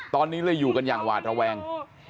ตอนนี้เลยอยู่กันอย่างหวาดระแวง